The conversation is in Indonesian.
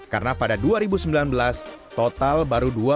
karena pada dua ribu sembilan belas total baru dua puluh sembilan perbankan